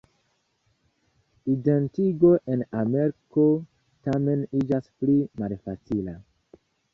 Identigo en Ameriko, tamen iĝas pli malfacila.